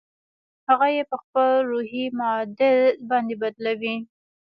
هغه يې په خپل روحي معادل باندې بدلوي.